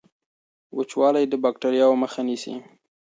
وچوالی د باکټریاوو مخه نیسي.